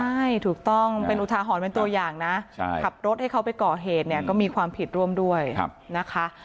ใช่ถูกต้องเป็นอุทาหรณ์เป็นตัวอย่างนะขับรถให้เขาไปก่อเหตุเนี่ยก็มีความผิดร่วมด้วยนะคะ